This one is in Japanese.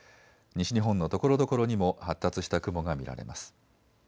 西日本のところどころにも発達した雲が見られます。